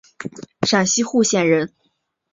陕西户县人。